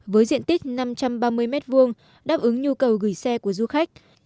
với diện tích năm trăm ba mươi m hai đáp ứng nhu cầu gửi xe của du khách